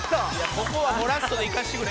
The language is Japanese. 「ここはゴラッソでいかせてくれ」